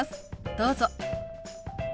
どうぞ。